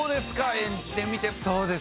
演じてみて。